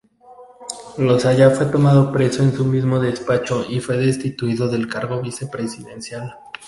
Loayza fue tomado preso en su mismo despacho y fue destituido del cargo vicepresidencial.